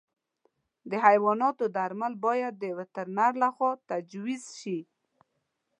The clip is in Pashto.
د حیواناتو درمل باید د وترنر له خوا تجویز شي.